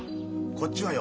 こっちはよ